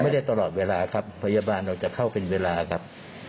ตลอดเวลาครับพยาบาลเราจะเข้าเป็นเวลาครับ